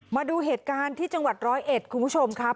มาดูเหตุการณ์ที่จังหวัดร้อยเอ็ดคุณผู้ชมครับ